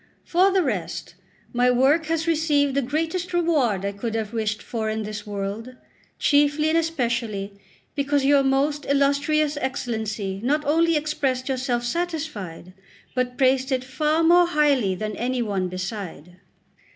For the rest, my work has received the greatest reward I could have wished for in this world; chiefly and especially because your most illustrious Excellency not only expressed yourself satisfied, but praised it far more highly than any one beside.